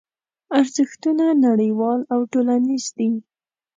ارزښتونه نړیوال او ټولنیز دي.